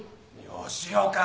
・吉岡！